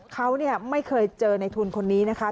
เขาไม่เคยเจอในทุนคนนี้นะคะ